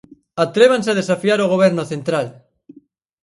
¡Atrévanse a desafiar o Goberno central!